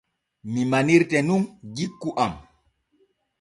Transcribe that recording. Mi manirte nun jikku am.